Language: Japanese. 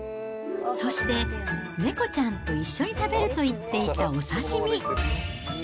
そして、猫ちゃんと一緒に食べると言っていたお刺身。